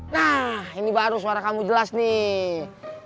nah ini baru suara kamu jelas nih